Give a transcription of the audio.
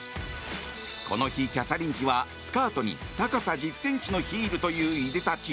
この日、キャサリン妃はスカートに高さ１０ｃｍのヒールといういで立ち。